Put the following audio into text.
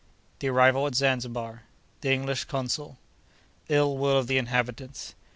The Arrival at Zanzibar.—The English Consul.—Ill will of the Inhabitants.